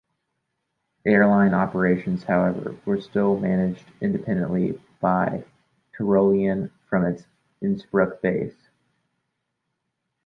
Airline operations, however, were still managed independently by Tyrolean from its Innsbruck base.